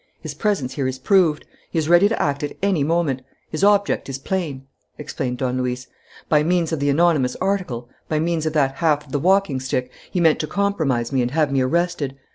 His presence here is proved. He is ready to act at any moment. His object is plain," explained Don Luis. "By means of the anonymous article, by means of that half of the walking stick, he meant to compromise me and have me arrested.